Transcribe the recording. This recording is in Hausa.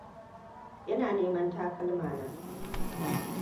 Ina neman takalma na.